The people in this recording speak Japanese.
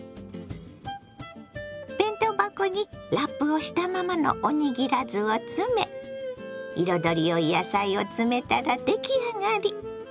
弁当箱にラップをしたままのおにぎらずを詰め彩りよい野菜を詰めたら出来上がり。